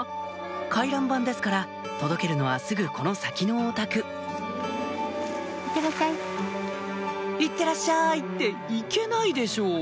回覧板ですから届けるのはすぐこの先のお宅「いってらっしゃい」って行けないでしょ